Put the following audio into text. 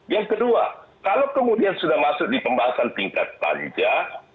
yang kedua kalau kemudian sudah masuk di pembahasan tingkat panjang